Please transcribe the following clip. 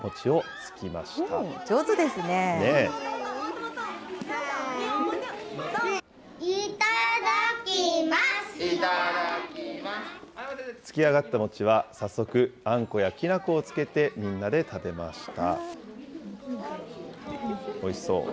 つきあがった餅は早速、あんこやきな粉をつけてみんなで食べました。